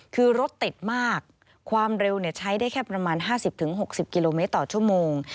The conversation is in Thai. คือรถติดมากความเร็วเนี่ยใช้ได้แค่ประมาณห้าสิบถึงหกสิบกิโลเมตรต่อชั่วโมง